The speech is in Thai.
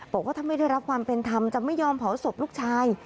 บอกว่าถ้าไม่ได้รับความเป็นธรรมจะไม่ยอมเผาศพลูกชาย